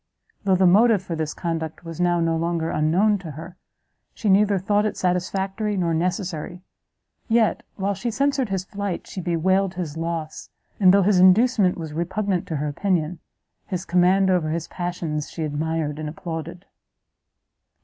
Though the motive for this conduct was now no longer unknown to her, she neither thought it satisfactory nor necessary; yet, while she censured his flight, she bewailed his loss, and though his inducement was repugnant to her opinion, his command over his passions she admired and applauded.